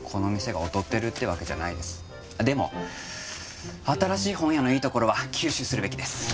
でも新しい本屋のいいところは吸収するべきです。